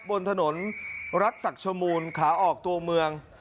บนถนนรักษักชมูลขาออกตัวเมือง